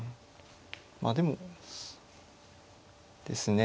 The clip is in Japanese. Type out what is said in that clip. まあでもですね